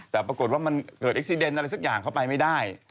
แต่ปรากฏว่ามันเกิดเอ็กซีเดนอะไรสักอย่างเข้าไปไม่ได้